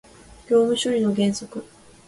業務処理の原則